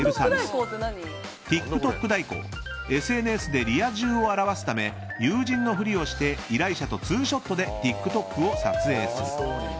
ＳＮＳでリア充を表すため友人のふりをして依頼者と２ショットでＴｉｋＴｏｋを撮影する。